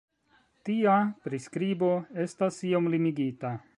Tia priskribo estas iom limigita.